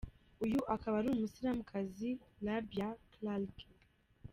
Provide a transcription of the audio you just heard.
Uyu akaba ari umusilamukazi Rabia Clarke.